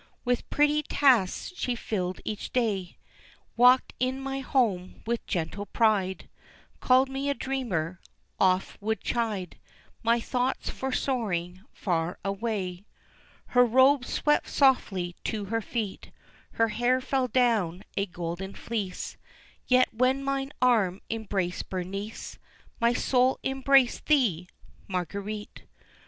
With pretty tasks she filled each day, Walked in my home with gentle pride, Called me a dreamer, oft would chide My thoughts for soaring far away. Her robes swept softly to her feet, Her hair fell down a golden fleece, Yet, when mine arm embraced Bernice, My soul embraced thee, Marguerite.